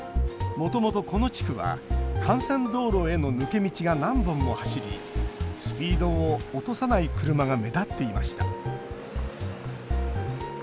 もともと、この地区は幹線道路への抜け道が何本も走りスピードを落とさない車が目立っていました。